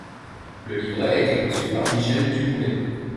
Le livret a été conçu par Michel Duboullay.